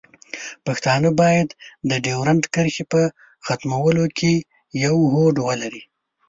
پښتانه باید د ډیورنډ کرښې په ختمولو کې یو هوډ ولري.